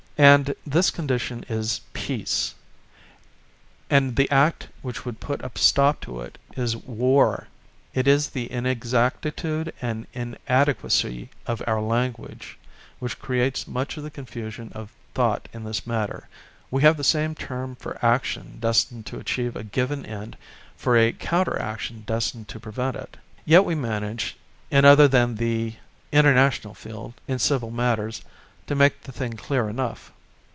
And this condition is "Peace," and the act which would put a stop to it is "War." It is the inexactitude and inadequacy of our language which creates much of the confusion of thought in this matter; we have the same term for action destined to achieve a given end and for a counter action destined to prevent it. Yet we manage, in other than the international field, in civil matters, to make the thing clear enough.